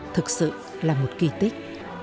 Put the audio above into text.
thực sự là một kỳ tích